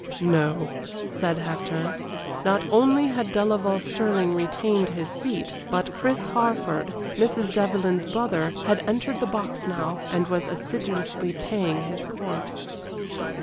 "No," said Hector. Not only had Delaval Stirling retained his seat, but Chris Harford, Mrs. Devlyn's brother, had entered the box now and was assiduously paying his court.